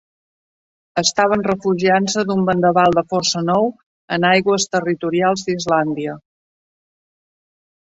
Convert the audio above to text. Estaven refugiant-se d'un vendaval de força nou en aigües territorials d'Islàndia.